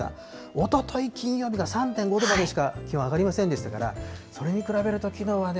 おととい金曜日が３．５度までしか気温上がりませんでしたから、それに比べると、きのうはね。